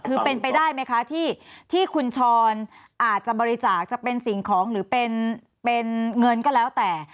คือเป็นไปได้ไหมคะที่คุณชรอาจจะบริจาคจะเป็นสิ่งของหรือเป็นเงินก็แล้วแต่